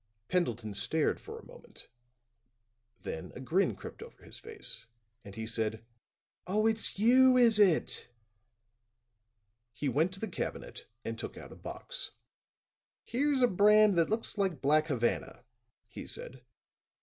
Pendleton stared for a moment; then a grin crept over his face and he said: "Oh, it's you, is it?" He went to the cabinet and took out a box. "Here's a brand that looks like black Havana," he said.